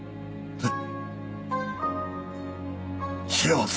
えっ。